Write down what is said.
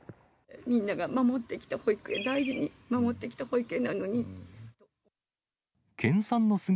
みんなが守ってきた保育園、大事に守ってきた保育園なのに。